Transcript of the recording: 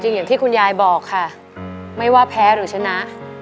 อย่างที่คุณยายบอกค่ะไม่ว่าแพ้หรือชนะ